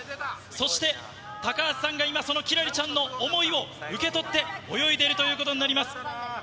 そして、高橋さんが今、その輝星ちゃんの思いを受け取って、泳いでいるということになります。